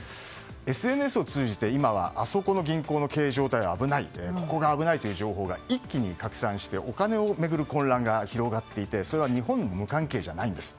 ＳＮＳを通じて今はあそこの銀行の経営状態が危ない、ここが危ないという情報が一気に拡散してお金を巡る混乱が広がっていてそれは日本でも無関係じゃないんです。